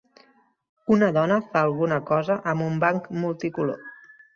Una dona fa alguna cosa amb un banc multicolor.